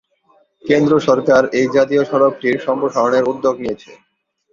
কেন্দ্র সরকার এই জাতীয় সড়কটির সম্প্রসারণের উদ্যোগ নিয়েছে।